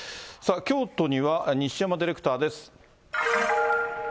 京都には西山ディレクターです。